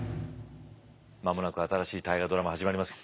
間もなく新しい「大河ドラマ」始まりますよ。